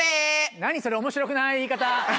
何それ面白くない言い方。